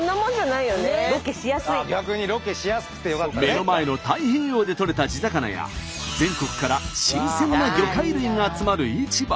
目の前の太平洋でとれた地魚や全国から新鮮な魚介類が集まる市場。